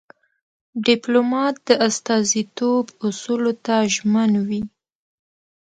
ډيپلومات د استازیتوب اصولو ته ژمن وي.